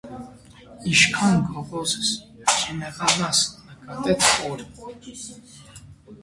- Ինչքա՜ն գոռոզ ես, չնեղանաս,- նկատեց օր.